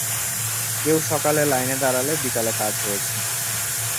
কেউ সকালে লাইনে দাড়ালে বিকালে কাজ হয়েছে।